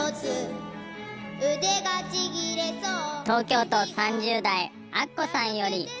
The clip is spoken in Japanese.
東京都３０代あっこさんより。